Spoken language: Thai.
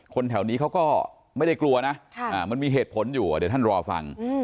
แถวนี้เขาก็ไม่ได้กลัวนะมันมีเหตุผลอยู่เดี๋ยวท่านรอฟัง